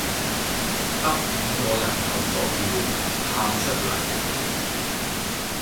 得五個人投咗票，喊出嚟